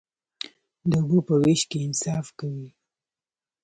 د اوبو په ویش کې انصاف کوئ؟